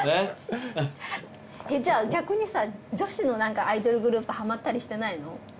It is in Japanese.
えっじゃあ逆にさ女子のアイドルグループはまったりしてないの？